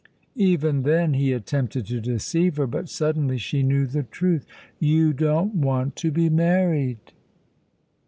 Even then he attempted to deceive her, but suddenly she knew the truth. "You don't want to be married!"